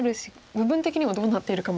部分的にはどうなってるかも。